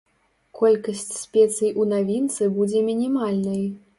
Колькасць спецый у навінцы будзе мінімальнай.